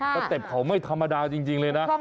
สเต็ปเขาไม่ธรรมดาจริงเลยนะ